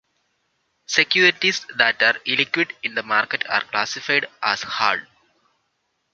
Securities that are illiquid in the market are classified as "hard".